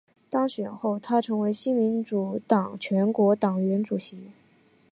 当选后她成为新民主党全国党团主席。